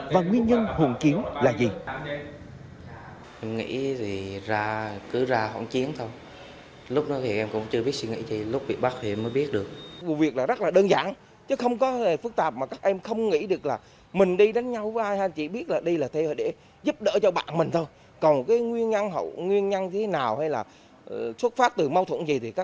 và nguyên nhân hồn chiến là gì